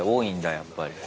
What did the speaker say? やっぱり。